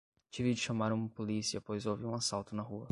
Tive de chamar um polícia pois houve um assalto na rua.